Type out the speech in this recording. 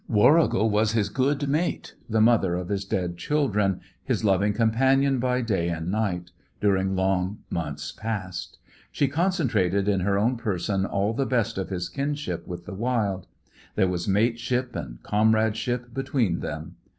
Warrigal was his good mate, the mother of his dead children, his loving companion by day and night, during long months past. She concentrated in her own person all the best of his kinship with the wild. There was mateship and comradeship between them.